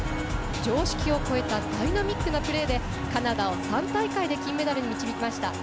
常識を超えたダイナミックなプレーでカナダを３大会で金メダルに導きました。